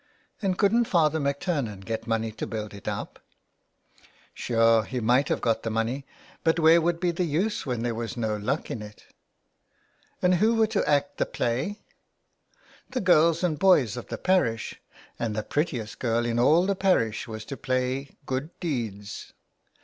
" And couldn't Father McTurnan get the money to build it up ?" 225 p A PLAY HOUSE IN THE WASTE. " Sure, he might have got the money, but where would be the use when there was no luck in it." ^' And who were to act the play ?" "The girls and boys in the parish, and the prettiest girl in all the parish was to play Good Deeds.''